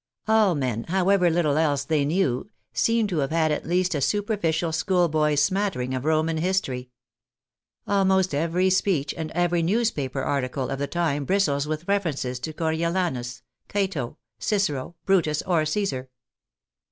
All men, how ever little else they knew, seem to have had at least a superficial schoolboy smattering of Roman history. Al most every speech and every newspaper article of the time bristles with references, to Coriolanus, Cato, Cicero, Brutus, or Csesar.